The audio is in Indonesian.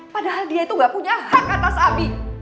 padahal dia itu nggak punya hak atas abi